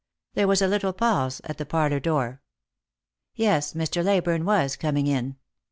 There was a little pause at the parlour door. Tes, Mr. Leyburne was coming in.